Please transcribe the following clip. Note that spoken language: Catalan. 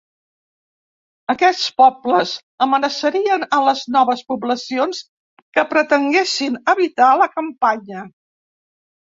Aquests pobles amenaçarien a les noves poblacions que pretenguessin habitar la campanya.